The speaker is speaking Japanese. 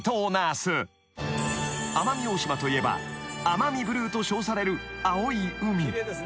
［奄美大島といえばアマミブルーと称される青い海］